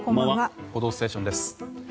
「報道ステーション」です。